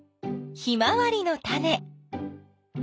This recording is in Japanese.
ヒマワリのタネ。